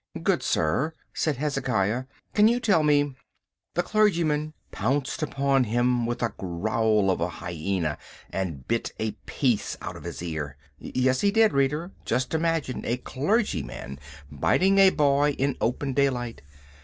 "Good sir," said Hezekiah, "can you tell me—" The clergyman pounced upon him with a growl of a hyena, and bit a piece out of his ear. Yes, he did, reader. Just imagine a clergyman biting a boy in open daylight!